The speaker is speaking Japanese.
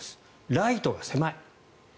ライトが狭い。